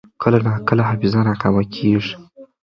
کله ناکله حافظه ناکامه کېږي.